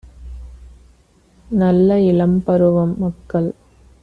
நல்ல இளம்பருவம் - மக்கள்